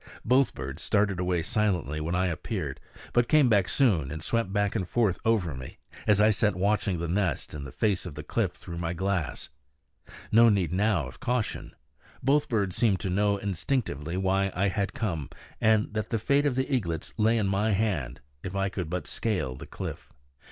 Both birds started away silently when I appeared, but came back soon and swept back and forth over me, as I sat watching the nest and the face of the cliff through my glass. No need now of caution. Both birds seemed to know instinctively why I had come, and that the fate of the eaglets lay in my hands if I could but scale the cliff.